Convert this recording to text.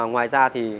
ngoài ra thì